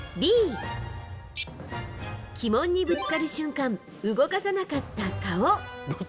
Ｂ、旗門にぶつかる瞬間、動かさなかった顔。